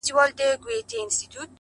• توپاني سوه ډوبېدو ته سوه تیاره,